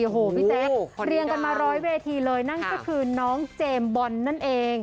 โอ้โหพี่แจ๊คเรียงกันมาร้อยเวทีเลยนั่นก็คือน้องเจมส์บอลนั่นเอง